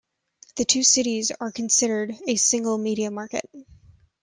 The two cities are considered a single media market.